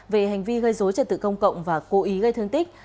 về hành vi gây dối trật tự công cộng và cố ý gây thương tích